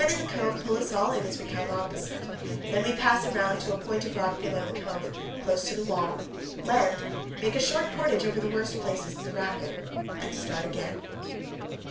in the cove pull us all in as we come opposite; then we pass around to a point of rock below the cove, close to the wall, land, make a short portage over the worst places in the rapid, and start again.